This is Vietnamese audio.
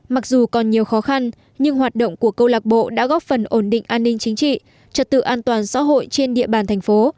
mặc dù còn nhiều khó khăn nhưng hoạt động của câu lạc bộ đã góp phần ổn định an ninh chính trị trật tự an toàn xã hội trên địa bàn thành phố